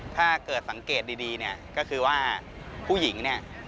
ถ้าเกิดสังเกตดีก็คือว่าผู้หญิง